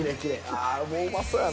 あもううまそうやな。